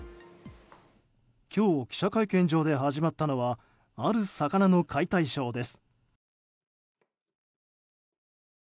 今日、記者会見上で始まったのはある魚の解体ショーです。